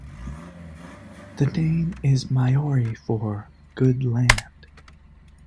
The name is Maori for "good land".